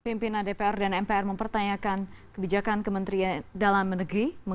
pimpinan dpr dan mpr mempertanyakan kebijakan kementerian dalam negeri